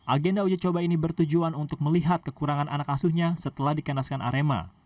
agenda uji coba ini bertujuan untuk melihat kekurangan anak asuhnya setelah dikandaskan arema